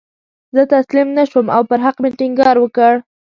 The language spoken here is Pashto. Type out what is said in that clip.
زه تسلیم نه شوم او پر حق مې ټینګار وکړ.